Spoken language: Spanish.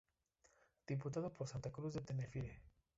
Diputado por Santa Cruz de Tenerife.